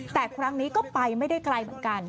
แต่ครั้งนี้ก็ไปไม่ได้ไกลเหมือนกัน